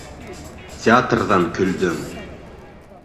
Театрҙан көлдөң!